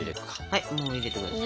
はいもう入れてください。